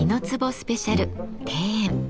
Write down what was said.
スペシャル「庭園」。